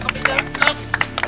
sampai jumpa lagi